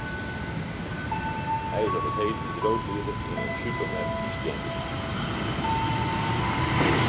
Hy is op 't heden bedriuwslieder yn in supermerk yn Stienwyk.